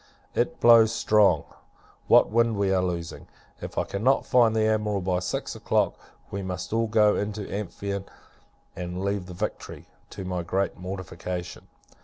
It blows strong. What wind we are losing! If I cannot find the Admiral by six o'clock, we must all go into the Amphion, and leave the Victory, to my great mortification.